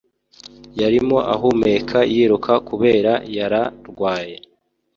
Yarimo ahumeka yiruka kubera yara rwaye